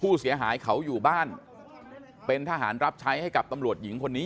ผู้เสียหายเขาอยู่บ้านเป็นทหารรับใช้ให้กับตำรวจหญิงคนนี้